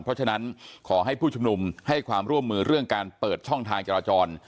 เพราะฉะนั้นขอให้ผู้ชุมนุมให้ความร่วมมือเรื่องการเปิดช่องทางจราจร